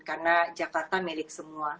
karena jakarta milik semua